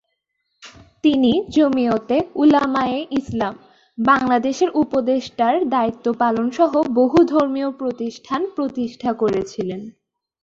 তিনি জমিয়তে উলামায়ে ইসলাম বাংলাদেশের উপদেষ্টার দায়িত্ব পালন সহ বহু ধর্মীয় প্রতিষ্ঠান প্রতিষ্ঠা করেছিলেন।